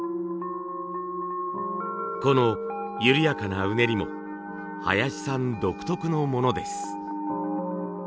この緩やかなうねりも林さん独特のものです。